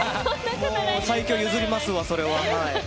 最強を譲りますわ、それは。